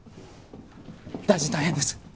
大臣大変です